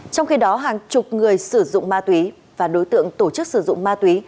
trong khi đó hàng chục người sử dụng ma túy và đối tượng tổ chức sử dụng ma túy